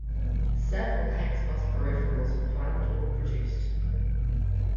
Several HexBus peripherals were planned or produced.